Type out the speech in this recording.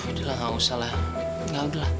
udah lah gak usah lah